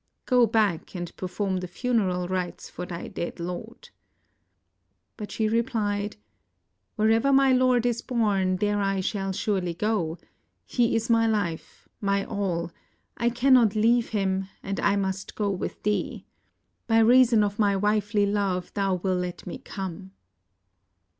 Go back and perform the funeral rites for thy dead lord." But she repHed: "Wherever my lord is borne, there I shall surely go; he is my Hfe, my all; I cannot leave him, and I must go with thee. By reason of my wifely love thou wilt let me come."